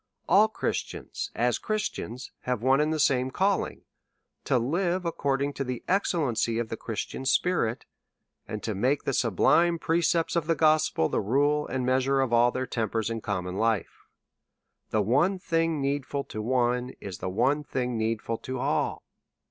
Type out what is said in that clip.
All Christians, as Christians, have one and the same calling, to live according to the excellency of the Christian spirit, and to make the sublime precepts of the gospel the rule and measure of all their tempers in common life. The one thing needful to one is the one thing needful to all.